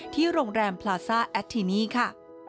ที่โรงแรมพลาซ่าแอดทินีค่ะ